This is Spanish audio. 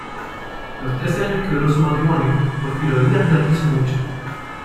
Los trece años que duró su matrimonio, Porfirio Díaz la quiso mucho.